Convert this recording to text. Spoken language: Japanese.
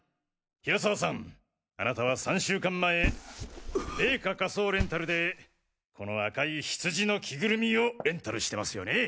平沢さんあなたは３週間前米花仮装レンタルでこの赤いヒツジの着ぐるみをレンタルしてますよね。